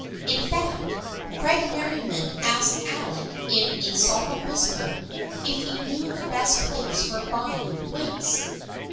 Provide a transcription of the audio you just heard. In fact, Fred Merriam asked Alec in a solemn whisper if he knew the best place for buy ing wigs.